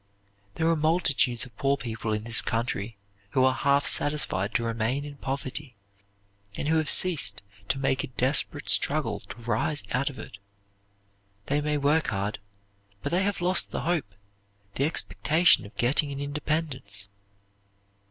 There are multitudes of poor people in this country who are half satisfied to remain in poverty, and who have ceased to make a desperate struggle to rise out of it. They may work hard, but they have lost the hope, the expectation of getting an independence.